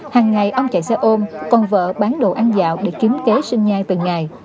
hằng ngày ông chạy xe ôm còn vợ bán đồ ăn dạo để kiếm kế sinh nhai từng ngày